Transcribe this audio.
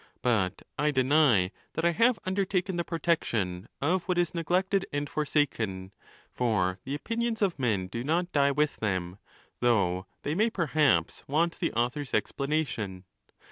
But I deny that I have under taken the protection of what is neglected and forsaken ; for the opinions of men do not die with them, though they may perhaps want the author's explanation.